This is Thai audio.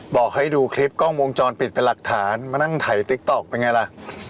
บอกให้ดูคลิปกล้องวงจรปิดเป็นหลักฐานมานั่งถ่ายติ๊กต๊อกเป็นไงล่ะ